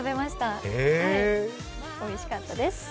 おいしかったです。